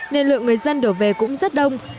nên lượng người dân đổ về cũng rất đông